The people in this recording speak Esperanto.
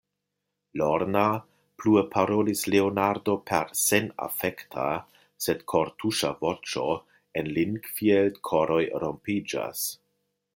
Lorna, plue parolis Leonardo per senafekta, sed kortuŝa voĉo, en Linkfield koroj rompiĝas.